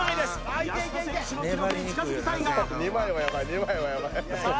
安田選手の記録に近づきたいがさあ